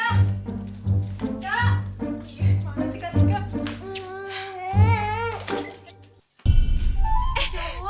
kak tika kak tika